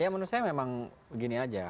ya menurut saya memang begini aja